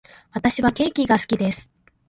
私はケーキが好きです。